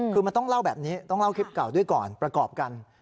คือมันต้องเล่าแบบนี้ต้องเล่าคลิปเก่าด้วยก่อนประกอบกัน